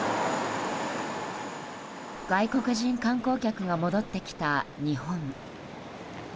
外国人観光客が戻ってきた日本。